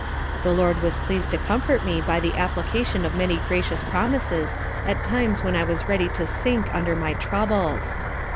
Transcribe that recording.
"_ The Lord was pleas'd to comfort me by the application of many gracious promises at times when I was ready to sink under my troubles.